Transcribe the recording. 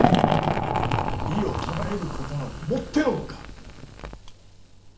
異を唱えることなどもっての外。